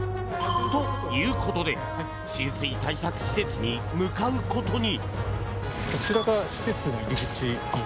ということで浸水対策施設に向かうことに。